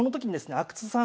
阿久津さん